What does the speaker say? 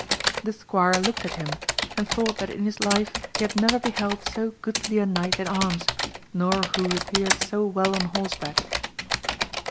The squire looked at him, and thought that in his life he had never beheld so goodly a knight in arms, nor who appeared so well on horseback.